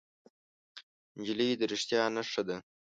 نجلۍ د رښتیا نښه ده.